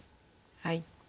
はい。